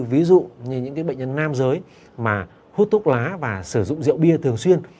ví dụ như những bệnh nhân nam giới mà hút thuốc lá và sử dụng rượu bia thường xuyên